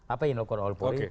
apa yang dilakukan oleh polri